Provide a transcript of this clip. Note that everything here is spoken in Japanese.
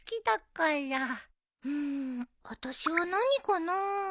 うん私は何かな。